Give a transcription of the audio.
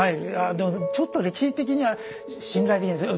でもちょっと歴史的には信頼できないんです。